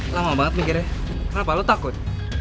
lama banget mikirnya kenapa lo takut